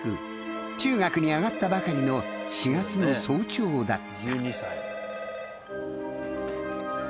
中学に上がったばかりの４月の早朝だった。